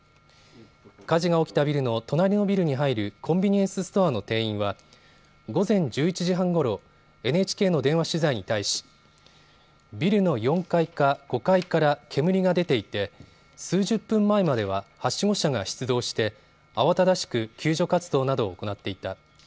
火事が起きたビルの隣のビルに入るコンビニエンスストアの店員は午前１１時半ごろ、ＮＨＫの電話取材に対しビルの４階か、５階から煙が出ていて数十分前までははしご車が出動して、慌ただしく救助活動などを行っていた。